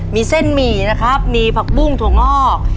มีเส้นหมี่นะครับมีผักบุ้งถั่วงอก